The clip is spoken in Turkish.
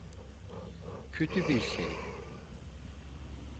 Kötü bir şey.